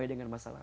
kita pernah salah